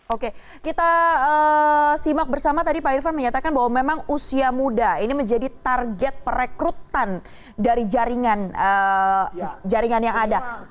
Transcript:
oke kita simak bersama tadi pak irfan menyatakan bahwa memang usia muda ini menjadi target perekrutan dari jaringan yang ada